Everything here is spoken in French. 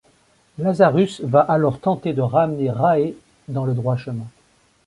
Lazarus va alors tenter de ramener Rae dans le droit chemin.